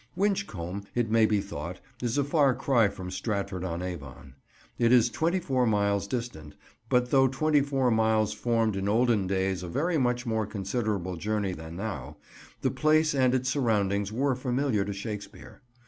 Winchcombe, it may be thought, is a far cry from Stratford on Avon. It is twenty four miles distant, but though twenty four miles formed in olden days a very much more considerable journey than now, the place and its surroundings were familiar to Shakespeare.